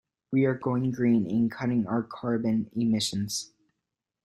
We are going green and cutting our carbon emissions.